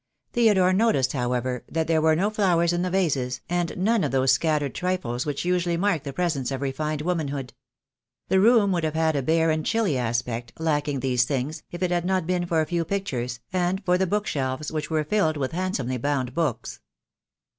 Theodore noticed, however, that there were no flowers in the vases, and none of those scattered trifles which usually mark the presence of refined womanhood. The room would have had a bare and chilly aspect, lacking these things, if it had not been for a few pictures, and for the book shelves, which were filled with handsomely bound books.